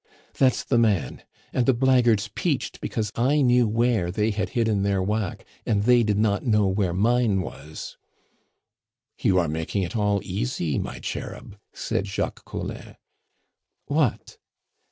"That's the man. And the blackguards peached because I knew where they had hidden their whack, and they did not know where mine was." "You are making it all easy, my cherub!" said Jacques Collin. "What?"